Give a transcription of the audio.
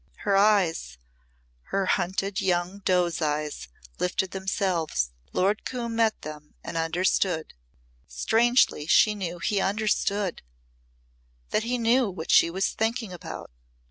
Her eyes her hunted young doe's eyes lifted themselves. Lord Coombe met them and understood. Strangely she knew he understood that he knew what she was thinking about.